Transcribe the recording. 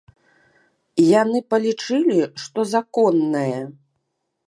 Яны палічылі, што законнае.